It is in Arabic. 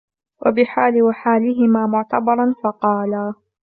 وَبِحَالِي وَحَالِهِمَا مُعْتَبَرًا فَقَالَا